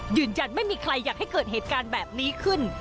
ยืนยันไม่มีใครอยากให้เกิดเหตุการณ์แบบนี้ขึ้น